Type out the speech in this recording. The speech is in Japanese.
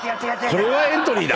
これはエントリーだ。